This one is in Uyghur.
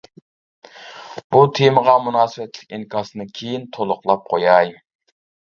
بۇ تېمىغا مۇناسىۋەتلىك ئىنكاسنى كېيىن تولۇقلاپ قوياي.